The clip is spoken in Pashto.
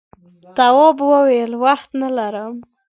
تواب وویل وخت نه لرم.